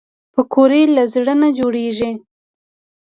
پکورې له زړه نه جوړېږي